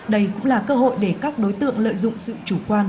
đây cũng là cơ hội để các đối tượng lợi dụng sự chủ quan